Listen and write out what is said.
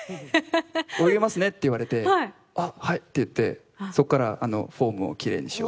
「泳げますね」って言われて「はい」って言ってそっからフォームを奇麗に。